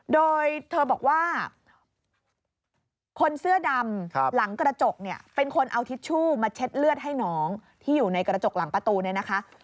โดยเธอบอกว่าคนเสื้อดำหลังกระจกเนี่ยเป็นคนเอาทิชชู่มาเช็ดเลือดให้น้องที่อยู่ในกระจกหลังประตูเนี่ยนะคะ